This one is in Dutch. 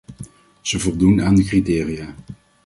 Ze voldoen aan de criteria.